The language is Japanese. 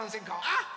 あっ！